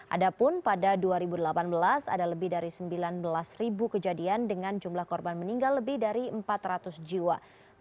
adapun pada dua ribu delapan belas ada lebih dari sembilan belas ribu kejadian dengan jumlah korban meninggal lebih dari empat ratus jiwa